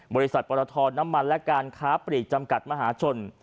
บริษัทปรทน้ำมันและการค้าปลีกจำกัดมหาชน